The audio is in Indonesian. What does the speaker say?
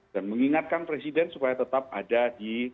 dan mengingatkan presiden supaya tetap ada di